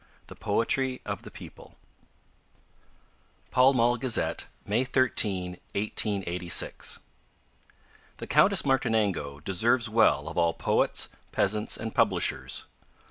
THE POETRY OF THE PEOPLE (Pall Mall Gazette, May 13, 1886.) The Countess Martinengo deserves well of all poets, peasants and publishers.